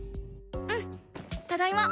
うんただいま。